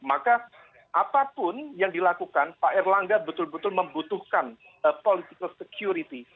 maka apapun yang dilakukan pak erlangga betul betul membutuhkan political security